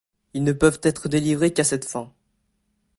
Ils ne peuvent être délivrés qu'à cette fin.